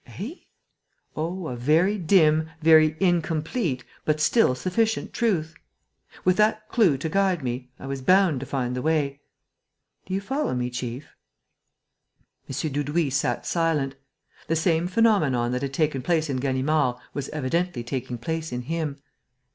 "Eh?" "Oh, a very dim, very incomplete, but still sufficient truth! With that clue to guide me, I was bound to find the way. Do you follow me, chief?" M. Dudouis sat silent. The same phenomenon that had taken place in Ganimard was evidently taking place in him.